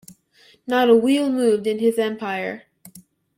Not a wheel moved in his empire.